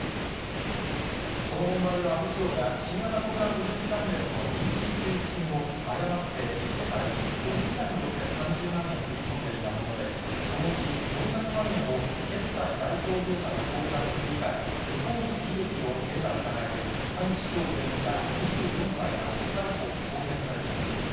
この問題は、阿武町が新型コロナウイルス関連の臨時給付金を誤って１世帯に４６３０万円振り込んでいたもので、このうち４００万円を決済代行業者の口座に振り替え、不法に利益を得た疑いで、田口翔容疑者２４歳が、逮捕・送検されています。